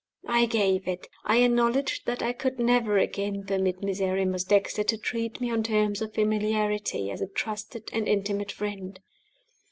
I gave it. I acknowledged that I could never again permit Miserrimus Dexter to treat me on terms of familiarity as a trusted and intimate friend.